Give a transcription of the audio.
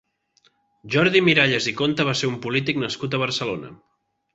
Jordi Miralles i Conte va ser un polític nascut a Barcelona.